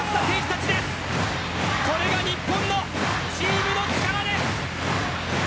これが日本のチームの力です。